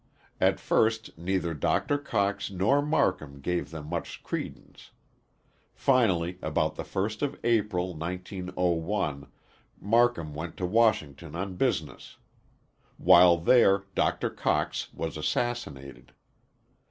At first neither Dr. Cox nor Marcum gave them much credence. Finally, about the first of April, 1901, Marcum went to Washington on business. While there, Dr. Cox was assassinated.